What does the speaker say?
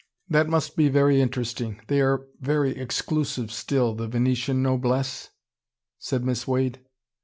That must be very interesting. They are very exclusive still, the Venetian noblesse?" said Miss Wade.